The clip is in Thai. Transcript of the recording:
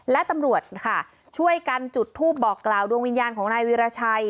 และตำรวจค่ะช่วยกันจุดทูปบอกกล่าวดวงวิญญาณของนายวีรชัย